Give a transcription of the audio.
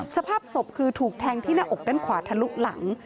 สภาพศพคือถูกแทงที่หน้าอกด้านขวาทะลุหลัง